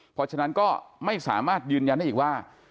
เพราะฉะนั้นก็ไม่สามารถยืนยันได้อีกว่า